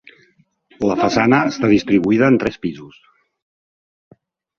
La façana està distribuïda en tres pisos.